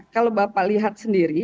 kalau bapak lihat sendiri